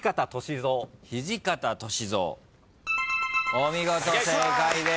お見事正解です。